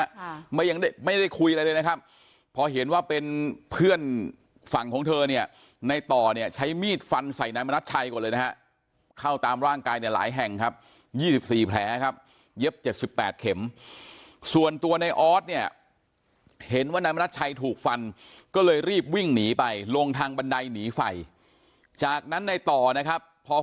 ค่ะไม่ยังไม่ได้คุยอะไรเลยนะครับพอเห็นว่าเป็นเพื่อนฝั่งของเธอเนี่ยในต่อเนี่ยใช้มีดฟันใส่นายมณัชชัยก่อนเลยนะฮะเข้าตามร่างกายเนี่ยหลายแห่งครับยี่สิบสี่แผลครับเย็บเจ็ดสิบแปดเข็มส่วนตัวในออสเนี่ยเห็นว่านายมณัชชัยถูกฟันก็เลยรีบวิ่งหนีไปลงทางบันไดหนีไฟจากนั้นในต่อนะครับพอ